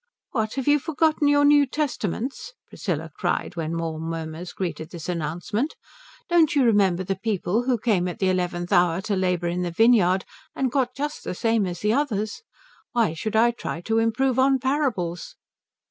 "What, have you forgotten your New Testaments?" Priscilla cried, when more murmurs greeted this announcement. "Don't you remember the people who came at the eleventh hour to labour in the vineyard and got just the same as the others? Why should I try to improve on parables?"